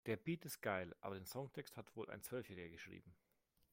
Der Beat ist geil, aber den Songtext hat wohl ein Zwölfjähriger geschrieben.